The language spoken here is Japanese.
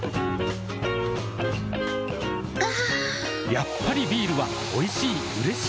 やっぱりビールはおいしい、うれしい。